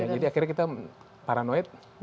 jadi akhirnya kita paranoid